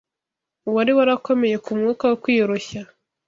uwari warakomeye ku mwuka wo kwiyoroshya